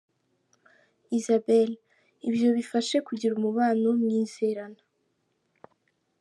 Isabelle : Ibyo bifasha kugira umubano mwizerana.